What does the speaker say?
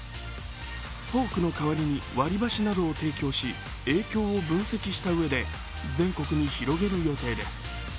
フォークの代わりに割り箸などを提供し影響を分析したうえで全国に広げる予定です。